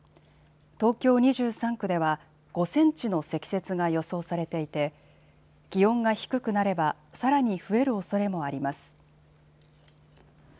東京２３区では５センチの積雪が予想されていて気温が低くなればさらに増えるおそれもあります。